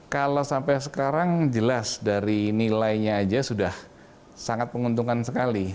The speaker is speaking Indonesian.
kalau sampai sekarang jelas dari nilainya aja sudah sangat menguntungkan sekali